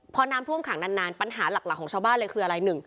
พอน้ำท่วมขังนานปัญหาหลักของชาวบ้านเลยคืออะไร